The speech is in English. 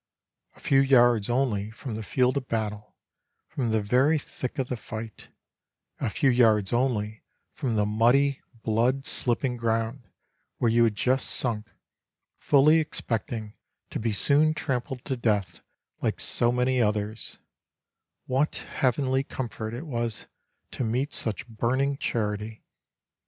A few yards only from the field of battle, from the very thick of the fight; a few yards only from the muddy, blood slipping ground where you had just sunk, fully expecting to be soon trampled to death like so many others, what heavenly comfort it was to meet such burning charity!